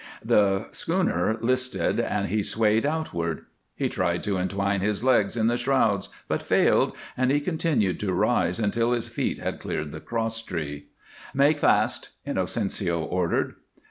The schooner listed and he swung outward; he tried to entwine his legs in the shrouds, but failed, and he continued to rise until his feet had cleared the crosstree. "Make fast!" Inocencio ordered.